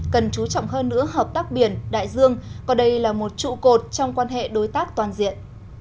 cần chú trọng hơn nữa hợp tác biển đại dương còn đây là một trụ cột trong quan hệ đối tác toàn diện